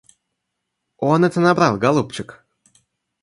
Он это набрал, голубчик!